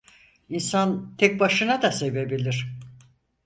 İnsan tek başına da sevebilir.